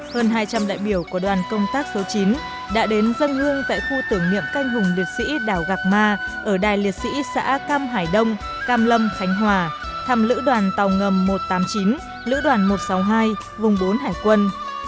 hơn hai trăm linh đại biểu của đoàn công tác số chín đã đến dân hương tại khu tưởng niệm canh hùng liệt sĩ đảo gạc ma ở đài liệt sĩ xã cam hải đông cam lâm khánh hòa thăm lữ đoàn tàu ngầm một trăm tám mươi chín lữ đoàn một trăm sáu mươi hai vùng bốn hải quân